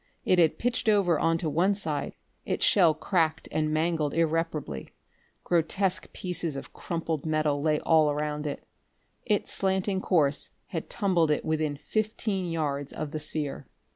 It had pitched over onto one side, its shell cracked and mangled irreparably. Grotesque pieces of crumpled metal lay all around it. Its slanting course had tumbled it within fifteen yards of the sphere.